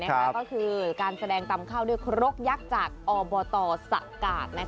ก็คือการแสดงตำข้าวด้วยครกยักษ์จากอบตสะกาด